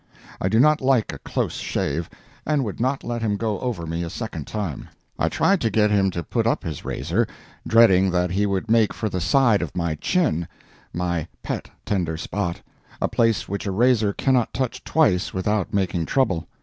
I do not like a close shave, and would not let him go over me a second time. I tried to get him to put up his razor, dreading that he would make for the side of my chin, my pet tender spot, a place which a razor cannot touch twice without making trouble.